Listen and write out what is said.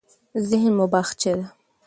ذهن مو باغچه ده.